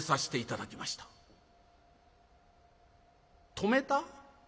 「止めた？